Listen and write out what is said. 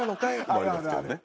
もありますけどね。